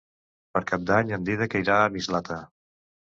Per Cap d'Any en Dídac irà a Mislata.